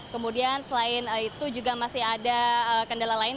kemudian selain itu juga masih ada kendala lain